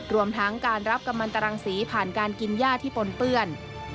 รวมทั้งการรับกำลังตรังสีผ่านการกินย่าที่ปนเปื้อน